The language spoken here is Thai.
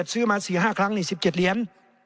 ซื้อมา๔๕ครั้งนี่๑๗เหรียญ